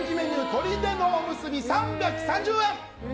砦のおむすび、３３０円。